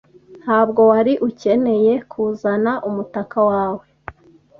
Ntabwo wari ukeneye kuzana umutaka wawe.